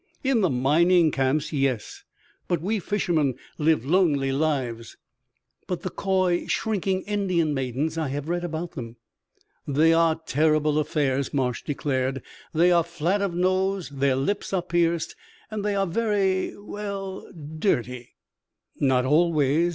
"In the mining camps, yes, but we fishermen live lonely lives." "But the coy, shrinking Indian maidens? I have read about them." "They are terrible affairs," Marsh declared. "They are flat of nose, their lips are pierced, and they are very well, dirty." "Not always!"